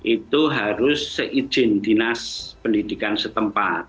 itu harus seizin dinas pendidikan setempat